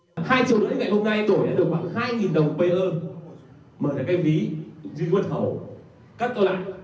hôm nay đổi ra được khoảng hai đồng paya mở ra cái ví riêng quân khẩu cắt nó lại